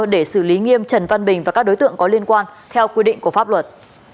để xử lý nghiêm trần văn bình và các đối tượng có liên quan theo quy định của pháp luật